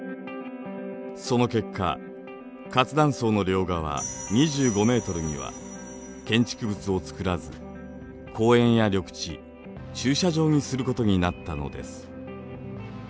その結果活断層の両側２５ｍには建築物をつくらず公園や緑地駐車場にすることになったのです。